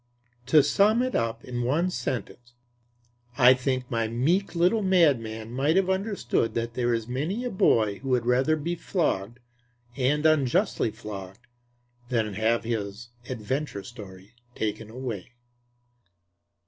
To sum it up in one sentence: I think my meek little madman might have understood that there is many a boy who would rather be flogged, and unjustly flogged, than have his adventure story taken away.